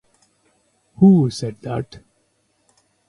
Who said that?